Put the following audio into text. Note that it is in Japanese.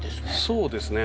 そうですね